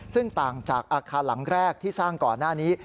ซึ่งต่างจากอาคารหลังแรกที่สร้างก่อนหน้านี้